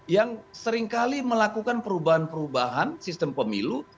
yang seringkali melakukan perubahan perubahan sistem pemilu